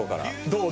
どう？